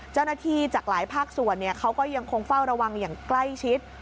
เจ้าหน้าที่จากหลายภาคส่วนเนี้ยเขาก็ยังคงเฝ้าระวังอย่างใกล้ชิด